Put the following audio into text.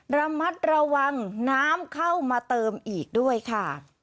ระมัดระวังน้ำเข้ามาเติมอีกด้วยค่ะ